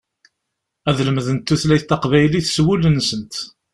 Ad lemdent tutlayt taqbaylit s wul-nsent.